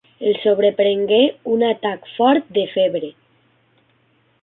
El sobreprengué un atac fort de febre.